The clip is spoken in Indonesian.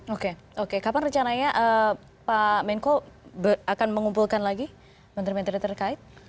oke oke kapan rencananya pak menko akan mengumpulkan lagi menteri menteri terkait